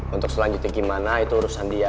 untuk selanjutnya gimana itu urusan dia